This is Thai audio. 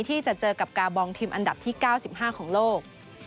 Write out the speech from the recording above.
ที่จะเจอกับกาบองทีมอันดับที่๙๕ของโลก